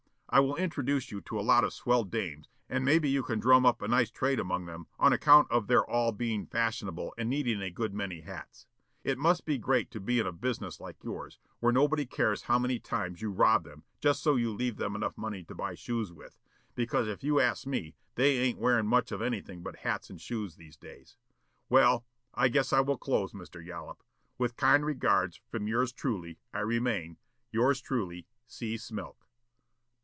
I will introduce you to a lot of swell dames and maybe you can drum up a nice trade among them on account of their all being fashionable and needing a good many hats. It must be great to be in a business like yours, where nobody cares how many times you rob them just so you leave them enough money to buy shoes with, because if you ask me they ain't wearing much of anything but hats and shoes these days. Well, I guess I will close, Mr. Yollop. With kind regards from yours truly, I remain Yours truly, C. SMILK.